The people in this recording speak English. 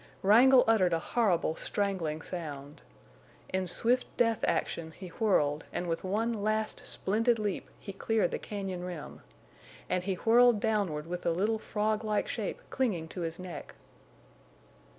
Wrangle uttered a horrible strangling sound. In swift death action he whirled, and with one last splendid leap he cleared the cañon rim. And he whirled downward with the little frog like shape clinging to his neck!